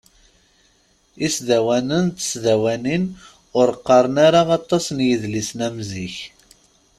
Isdawanen d tesdawanin ur qqaren ara aṭas n yidlisen am zik.